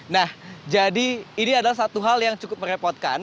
nah jadi ini adalah satu hal yang cukup merepotkan